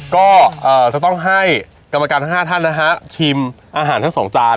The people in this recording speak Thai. ก็จะต้องให้กรรมการทั้ง๕ท่านนะฮะชิมอาหารทั้งสองจาน